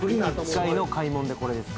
１回の買い物です